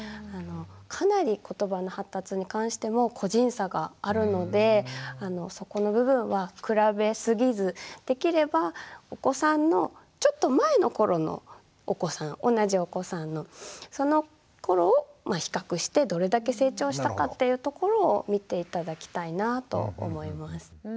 かなりことばの発達に関しても個人差があるのでそこの部分は比べすぎずできればお子さんのちょっと前の頃のお子さん同じお子さんのそのころを比較してどれだけ成長したかっていうところを見て頂きたいなと思います。